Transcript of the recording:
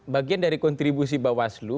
bagian dari kontribusi bawaslu